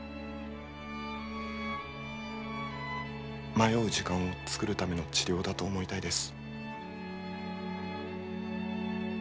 迷う時間を作るための治療だと思いたいです。